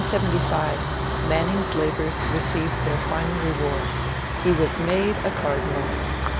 VIII IN 1875, Manning's labours received their final reward: he was made a Cardinal.